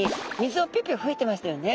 水をピュッピュふいてましたよね。